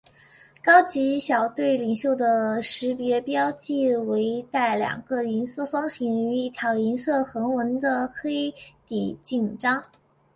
高级小队领袖的识别标记为带两个银色方形与一条银色横纹的黑底襟章。